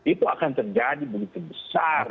itu akan terjadi begitu besar